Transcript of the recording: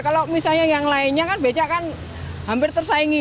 kalau misalnya yang lainnya kan becak kan hampir tersaingi